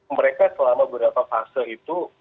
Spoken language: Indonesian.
mereka selama beberapa fase itu